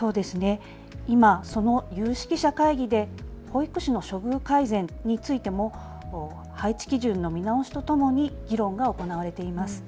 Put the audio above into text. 今、有識者会議で保育士の処遇改善についても配置基準の見直しとともに議論が行われています。